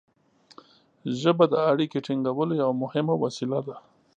ژبه د اړیکې ټینګولو یوه مهمه وسیله ده.